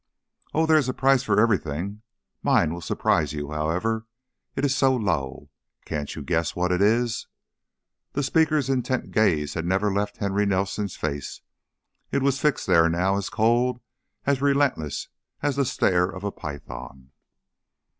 "Oh, there is a price for everything! Mine will surprise you, however, it is so low. Can't you guess what it is?" The speaker's intent gaze had never left Henry Nelson's face; it was fixed there now, as cold, as relentless as the stare of a python.